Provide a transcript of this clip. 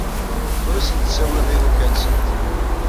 Ur asent-ttawyeɣ iruka-nsent.